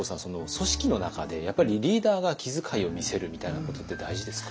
組織の中でやっぱりリーダーが気遣いを見せるみたいなことって大事ですか？